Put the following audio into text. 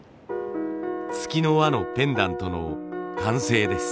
月の輪のペンダントの完成です。